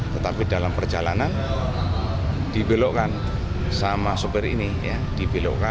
tetapi dalam perjalanan dibelokkan sama sopir ini